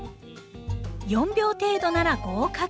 ４秒程度なら合格。